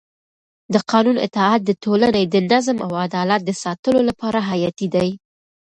د قانون اطاعت د ټولنې د نظم او عدالت د ساتلو لپاره حیاتي دی